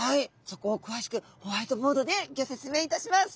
そこをくわしくホワイトボードでギョ説明いたします。